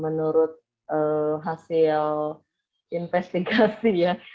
menurut hasil investigasi ya teman teman evaluasi di lapangan sih katanya cukup efektif gitu